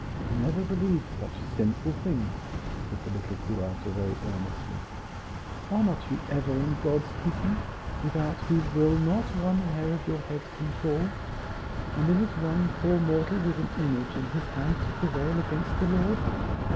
"Never believe such sinful things!" said the little curato very earnestly. "Are not you ever in God's keeping, without whose will not one hair of your head can fall? and is one poor mortal with an image in his hand to prevail against the Lord?